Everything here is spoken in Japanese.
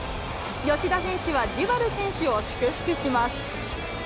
吉田選手はデュバル選手を祝福します。